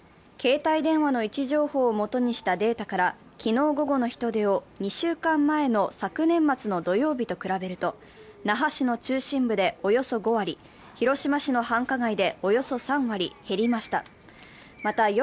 携帯情報の位置情報をもとにしたデータから昨日午後の人出を２週間前の昨年末の土曜日と比べると那覇市の中心部でおよそ５割、広島市の繁華街でおよそ３割減りました。